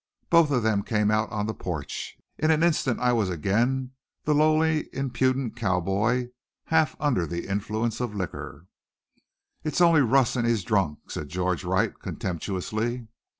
Both of them came out on the porch. In an instant I was again the lolling impudent cowboy, half under the influence of liquor. "It's only Russ and he's drunk," said George Wright contemptuously.